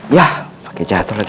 yah pake jatuh lagi